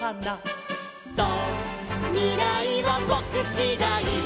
「そうみらいはぼくしだい」